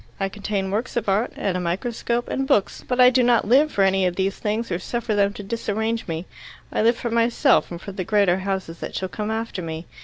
I contain works of art and a microscope and books. But I do not live for any of these things or suffer them to disarrange me. I live for myself and for the greater houses that shall come after me.